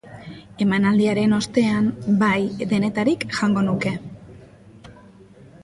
Emanaldiaren ostean, bai, denetarik jango nuke.